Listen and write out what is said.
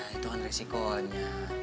itu kan resikonya